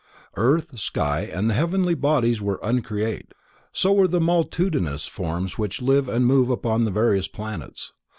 Earth, sky and the heavenly bodies were uncreate, so were the multitudinous forms which live and move upon the various planets.